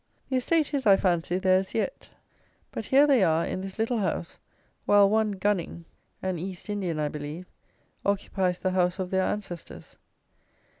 The estate is, I fancy, theirs yet; but here they are, in this little house, while one Gunning (an East Indian, I believe) occupies the house of their ancestors.